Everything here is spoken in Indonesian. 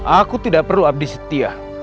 aku tidak perlu abdi setia